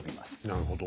なるほど。